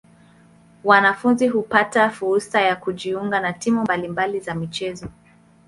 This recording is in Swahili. Wanafunzi hupata fursa ya kujiunga na timu mbali mbali za michezo.